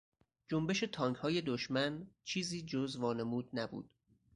جنبش تانکهای دشمن چیزی جز وانمود نبود.